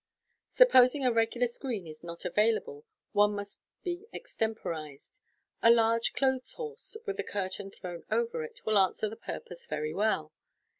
Supposing a regular screen is not avail able, one must be extemporized. A large dothes horse, with a curtain thrown over it, will answer the purpose very well.